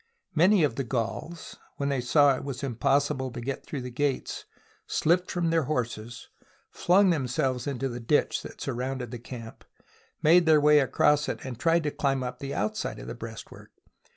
Many of the Gauls, when they saw it was impossible to get through the gates, slipped from their horses, flung themselves into the ditch that surrounded the camp, made their way across it, and tried to climb up the outside of the breast work.